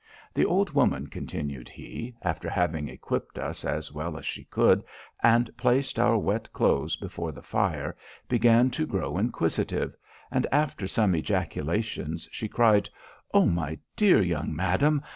"The old woman," continued he, "after having equipped us as well as she could, and placed our wet cloaths before the fire, began to grow inquisitive; and, after some ejaculations, she cried 'O, my dear young madam!